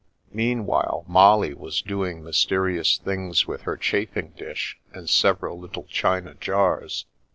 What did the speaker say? Meanwhile Molly was doing mysterious things with her chafing dish and several little china jars.